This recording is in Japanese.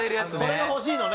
それが欲しいのね。